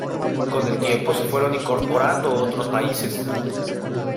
Con el tiempo se fueron incorporando otros países.